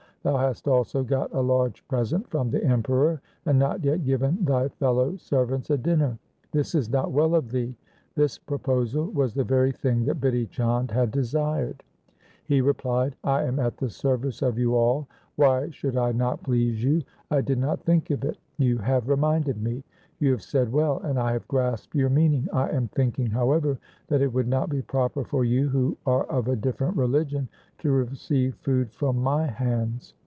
Thou hast also got a large present from the Emperor, and not yet given thy fellow servants a dinner. This is not well of thee.' This proposal was the very thing that Bidhi Chand had desired. He replied, ' I am at the service of you all. Why should I not please you ? I did not think of it ; you have reminded me. You have said well, and I have grasped your meaning. I am thinking, however, that it would not be proper for you who are of a different religion to receive food from my hands.